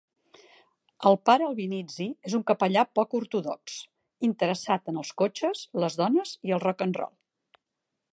El pare Albinizi és un capellà poc ortodox, interessat en els cotxes, les dones i el rock and roll.